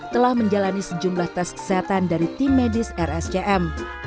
telah menjalani sejumlah tes kesehatan dari tim medis rscm